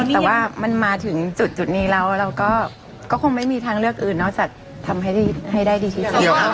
แต่ว่ามันมาถึงจุดนี้แล้วเราก็คงไม่มีทางเลือกอื่นนอกจากทำให้ได้ดีที่สุด